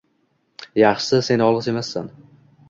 Yaxshisi: “Sen yolg‘iz emassan.